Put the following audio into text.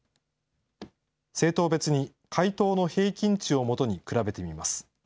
政党別に回答の平均値を基に比べてみます。